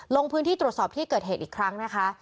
ลงพื้นที่ตรวจสอบที่เกิดเหตุอีกครั้งนะคะ